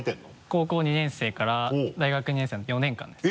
高校２年生から大学２年生の４年間です。